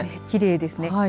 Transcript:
きれいですね。